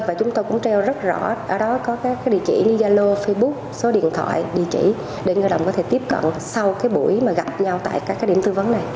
và chúng tôi cũng treo rất rõ ở đó có các cái địa chỉ như yalo facebook số điện thoại địa chỉ để người lao động có thể tiếp cận sau cái buổi mà gặp nhau tại các cái điểm tư vấn này